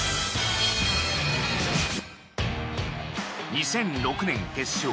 ２００６年決勝。